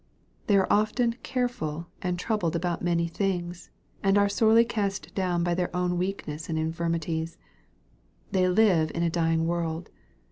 They are often care ful and troubled about many things, and are sorely cast down by their own weakness and infirmities. They live in a dying world.